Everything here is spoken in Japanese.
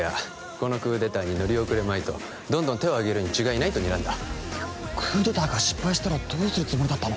このクーデターに乗り遅れまいとどんどん手を挙げるに違いないとにらんだクーデターが失敗したらどうするつもりだったの？